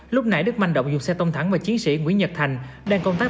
lúc nãy đức manh động dùng xe tông thẳng và chiến sĩ nguyễn nhật thành đang công tác